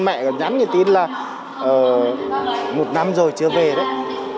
mẹ có nhắn tin là một năm rồi chưa về đấy